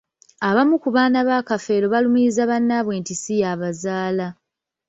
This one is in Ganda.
Abamu ku baana ba Kafeero balumiriza bannaabwe nti siyabazaala.